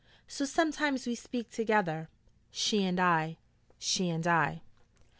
So sometimes we speak together, she and I, she and I.